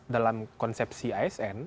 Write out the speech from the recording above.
dalam konsepsi asn